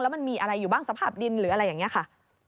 มันมีอะไรอยู่บ้างสภาพดินหรืออะไรอย่างนี้ค่ะ